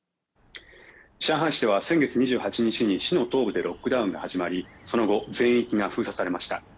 上海市では先月２８日に市の東部でロックダウンが始まりその後、全域が封鎖されました。